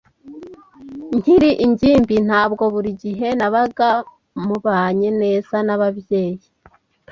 Nkiri ingimbi, ntabwo buri gihe nabaga mubanye neza nababyeyi.